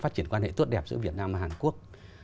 phát triển quan hệ tốt đẹp giữa việt nam và hàn quốc